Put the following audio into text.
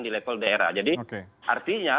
di level daerah jadi artinya